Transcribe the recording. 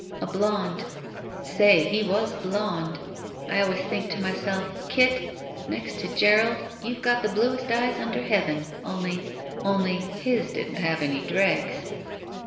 A blond. Say, he was blond! I always think to myself, Kit, next to Gerald, you've got the bluest eyes under heaven. Only, his didn't have any dregs."